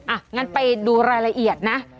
อ่ะงั้นไปดูรายละเอียดนะ